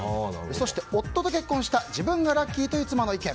そして、夫と結婚した自分がラッキーという妻の意見。